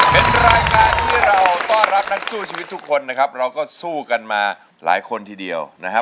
เป็นรายการที่เราต้อนรับนักสู้ชีวิตทุกคนนะครับเราก็สู้กันมาหลายคนทีเดียวนะครับ